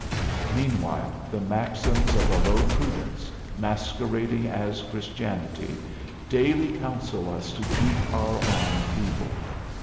Meanwhile, the maxims of a low prudence, masquerading as Christianity, daily counsel us to keep our arm feeble.